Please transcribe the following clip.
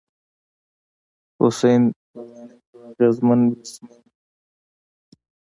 حسېن بلاڼي یو اغېزمن بېټسمېن وو.